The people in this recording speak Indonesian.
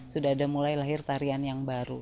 sudah ada mulai lahir tarian yang baru